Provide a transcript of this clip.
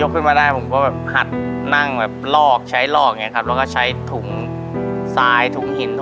หนูขยับตรงไหนได้บ้างเนี่ย